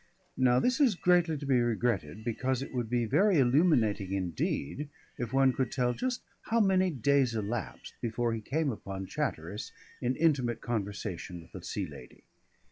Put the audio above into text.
Now this is greatly to be regretted, because it would be very illuminating indeed if one could tell just how many days elapsed before he came upon Chatteris in intimate conversation with the Sea Lady.